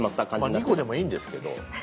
まあ２個でもいいんですけど。